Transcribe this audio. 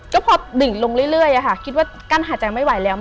ก็พอดิ่งลงเรื่อยคิดว่ากั้นหายใจไม่ไหวแล้ว